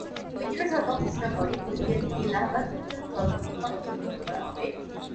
এর জন্য সরকার ঘোষণা করে হলদিয়া থেকে এলাহাবাদ পর্যন্ত জলপথে পন্য পরিবহন করা হবে।